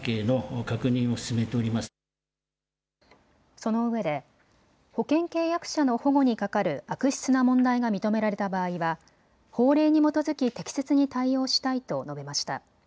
そのうえで保険契約者の保護にかかる悪質な問題が認められた場合は法令に基づき適切に対応したいと述べました。